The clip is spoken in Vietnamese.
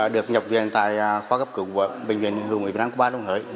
được nhập viện tại khoa cấp cựu của bệnh viện hữu mỹ vn ba đồng hỡi